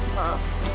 malah crown aku